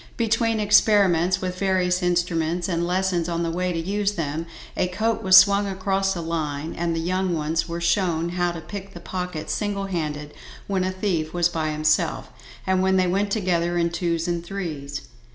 Between experiments with various instruments, and lessons on the way to use them, a coat was swung across a line, and the young ones were shown how to pick the pocket single handed when a thief was by himself, and when they went together in twos and threes.